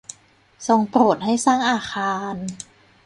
ทรงโปรดให้สร้างอาคาร